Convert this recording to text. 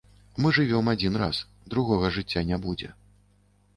Мы жывём адзін раз, другога жыцця не будзе.